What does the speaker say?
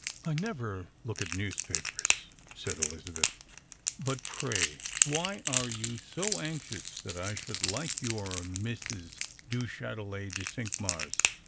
" I never look at newspapers," said Elizabeth ;" but pray why are you so anxious that I should like your Mrs. du Chtitelet de Cinqmars?